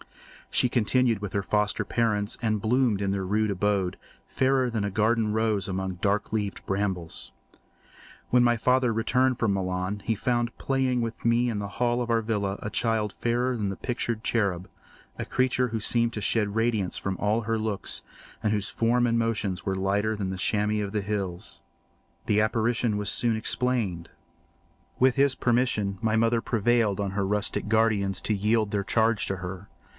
She continued with her foster parents and bloomed in their rude abode, fairer than a garden rose among dark leaved brambles. When my father returned from Milan, he found playing with me in the hall of our villa a child fairer than pictured cherub—a creature who seemed to shed radiance from her looks and whose form and motions were lighter than the chamois of the hills. The apparition was soon explained. With his permission my mother prevailed on her rustic guardians to yield their charge to her.